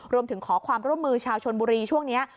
รวมถึงขอความร่วมมือชาวชนบุรีช่วงนี้